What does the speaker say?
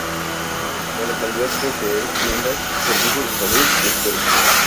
La localidad posee tiendas, servicios de salud y escuelas.